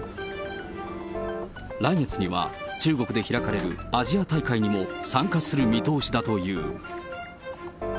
来月には中国で開かれるアジア大会にも参加する見通しだという。